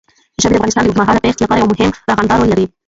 ژبې د افغانستان د اوږدمهاله پایښت لپاره یو مهم او رغنده رول لري.